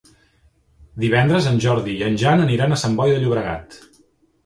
Divendres en Jordi i en Jan aniran a Sant Boi de Llobregat.